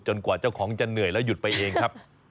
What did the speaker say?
กว่าเจ้าของจะเหนื่อยแล้วหยุดไปเองครับ